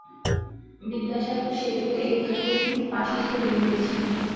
বিদ্যাসাগর সেতু এই ঘাটের ঠিক পাশেই তৈরি হয়েছে।